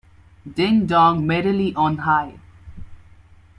Ding dong merrily on high.